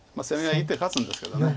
１手勝つんですけど。